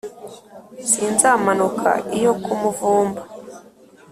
sinzamanuka iyo ku muvumba